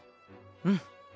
うん。